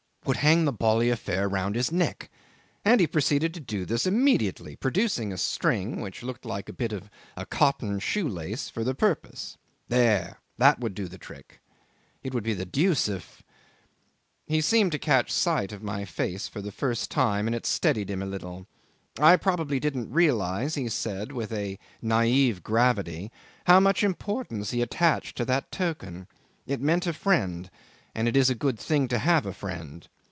Would hang the bally affair round his neck! And he proceeded to do this immediately, producing a string (which looked like a bit of a cotton shoe lace) for the purpose. There! That would do the trick! It would be the deuce if ... He seemed to catch sight of my face for the first time, and it steadied him a little. I probably didn't realise, he said with a naive gravity, how much importance he attached to that token. It meant a friend; and it is a good thing to have a friend.